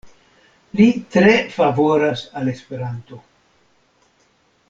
Li tre favoras al Esperanto.